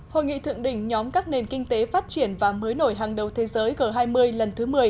hội nghị thượng đỉnh nhóm các nền kinh tế phát triển và mới nổi hàng đầu thế giới g hai mươi lần thứ một mươi